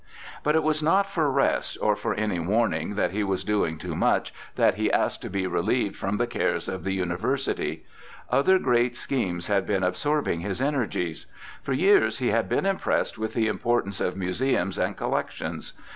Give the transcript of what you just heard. But it was not for rest, or for any warning that he was doing too much, that he asked to be relieved from the cares of the University. Other great schemes had been absorbing his energies. For years he had been impressed with the importance of museums and collec tions.